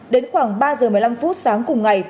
đến khoảng ba h một mươi năm sáng cùng ngày